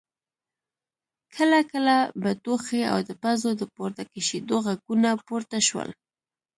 کله کله به ټوخی او د پزو د پورته کشېدو غږونه پورته شول.